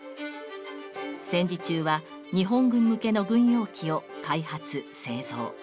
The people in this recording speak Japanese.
戦時中は日本軍向けの軍用機を開発・製造。